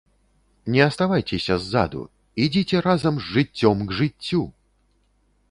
Не аставайцеся ззаду, ідзіце разам з жыццём к жыццю!